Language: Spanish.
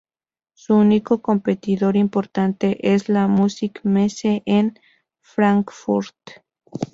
Su único competidor importante es la" Musik Messe" en Frankfurt.